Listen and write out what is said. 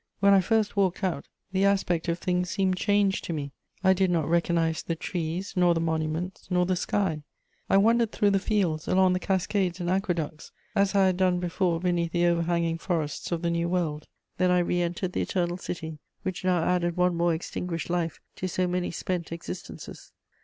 When I first walked out, the aspect of things seemed changed to me: I did not recognise the trees, nor the monuments, nor the sky; I wandered through the fields, along the cascades and aqueducts, as I had done before beneath the overhanging forests of the New World. Then I re entered the Eternal City, which now added one more extinguished life to so many spent existences.